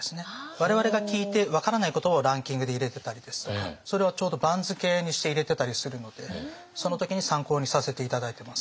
我々が聞いて分からない言葉をランキングで入れてたりですとかそれをちょうど番付にして入れてたりするのでその時に参考にさせて頂いてます。